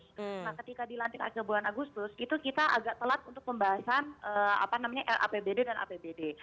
nah ketika dilantik akhir bulan agustus itu kita agak telat untuk pembahasan rapbd dan apbd